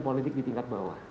politik di tingkat bawah